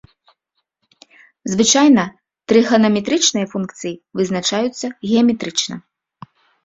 Звычайна трыганаметрычныя функцыі вызначаюцца геаметрычна.